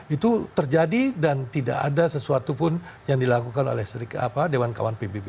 itu terjadi dan tidak ada sesuatu pun yang dilakukan oleh dewan kawan pbb